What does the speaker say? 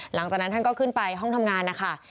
หลังจากนั้นท่านก็ขึ้นไปห้องทำงานนะคะ